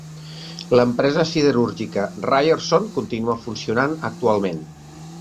L'empresa siderúrgica Ryerson continua funcionant actualment.